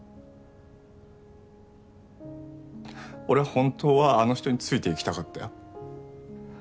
俺は本当はあの人についていきたかったよ。